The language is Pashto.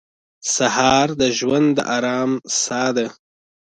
سهار د ژوند د ارام ساه ده.